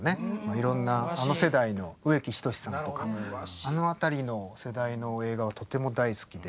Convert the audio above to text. いろんなあの世代の植木等さんとかあの辺りの世代の映画はとても大好きで。